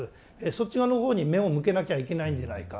そっち側のほうに目を向けなきゃいけないんじゃないか？